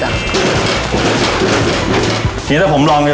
อ่านั่นน่ะครับแบนลงไป